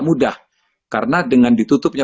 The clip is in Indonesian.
mudah karena dengan ditutupnya